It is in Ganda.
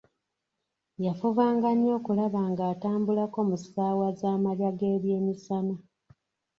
Yafubanga nnyo okulaba nga atambulako mu ssaawa z'amalya g'ebyemisana.